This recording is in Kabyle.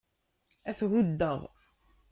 Ad t-huddeɣ.